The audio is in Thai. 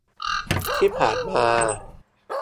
ที่ผ่านมา